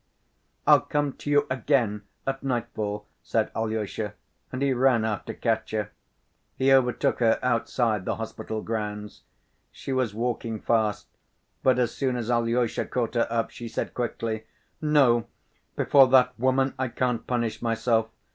"I'll come to you again at nightfall," said Alyosha, and he ran after Katya. He overtook her outside the hospital grounds. She was walking fast, but as soon as Alyosha caught her up she said quickly: "No, before that woman I can't punish myself!